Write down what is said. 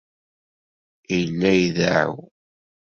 Yella ideɛɛu.